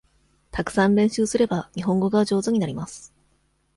たくさん練習すれば、日本語が上手になります。